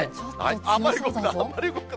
あまり動くな。